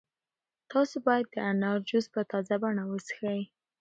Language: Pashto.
تاسو باید د انار جوس په تازه بڼه وڅښئ.